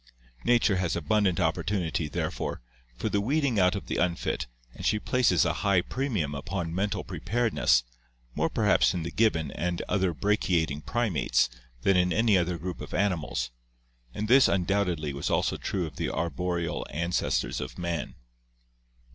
Nature has abundant opportunity, therefore, for the weeding out of the unfit and she places a high premium upon mental preparedness, more perhaps in the gibbon and other brachiating primates than in any other group of animals, and this undoubtedly was also true of the arboreal ancestors of man.